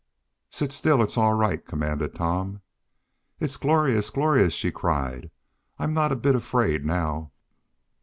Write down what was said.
"Sit still! It's all right!" commanded Tom. "It's glorious; glorious!" she cried. "I'm not a bit afraid now!"